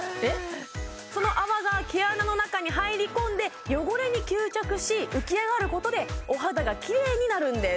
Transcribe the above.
その泡が毛穴の中に入り込んで汚れに吸着し浮き上がることでお肌がきれいになるんです